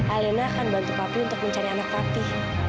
alena akan bantu papi untuk mencari anak papi